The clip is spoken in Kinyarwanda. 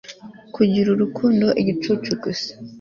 Kugira urukundo igicucu gusa